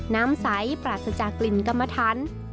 น้ำใสปราศจากกลิ่นกรรมทัน